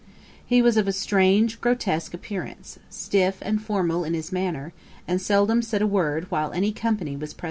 He was of a strange grotesque appearance, stiff and formal in his manner, and seldom said a word while any company was present.